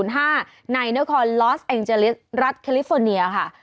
ไหนเนื้อคล์สแองเจลส์รัฐคาลิฟอร์เนียค่ะ